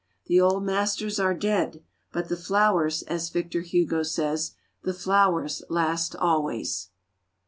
The old masters are dead, but "the flowers," as Victor Hugo says, "the flowers last always."